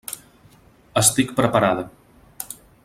Estic preparada.